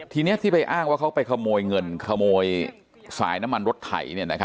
ทีนี้ที่ไปอ้างว่าเขาไปขโมยเงินขโมยสายน้ำมันรถไถ